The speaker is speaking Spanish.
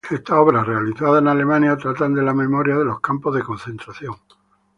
Otras obras, realizadas en Alemania, tratan de la memoria de los campos de concentración.